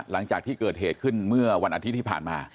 หลังจากที่เกิดเหตุขึ้นเมื่อวันอาทิตย์ที่ผ่านมา